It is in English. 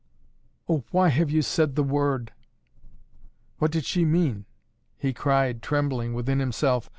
"Oh, why have you said the word!" What did she mean? He cried, trembling, within himself.